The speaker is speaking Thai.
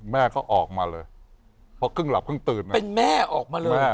แม่ก็ออกมาเลยเพราะกึ่งหลับกึ้งตื่นมาเป็นแม่ออกมาเลย